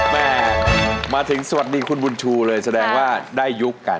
แม่มาถึงสวัสดีคุณบุญชูเลยแสดงว่าได้ยุคกัน